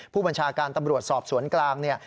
ผู้บัญชาการตำรวจสอบสวนกลางเนี่ย